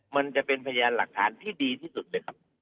มันจะเป็นพยานหลักฐานที่ดีที่สุดเลยครับ